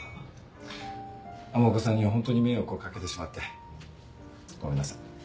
浜岡さんにはホントに迷惑を掛けてしまってごめんなさい。